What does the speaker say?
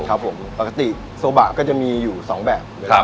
ครับผมปกติโซบะก็จะมีอยู่สองแบบนะครับ